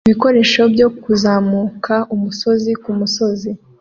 Ibikoresho byo kuzamuka umusozi kumusozi